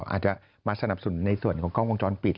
อาจจะมาสนับสนุนในส่วนของกล้องวงจรปิด